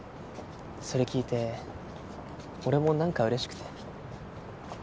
それ聞いて俺もなんかうれしくて。